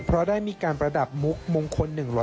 เพราะได้มีการประดับมุกมงคล๑๐๐